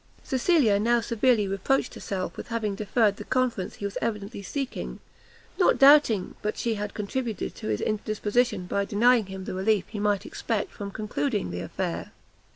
Cecilia now severely reproached herself with having deferred the conference he was evidently seeking, not doubting but she had contributed to his indisposition by denying him the relief he might expect from concluding the affair.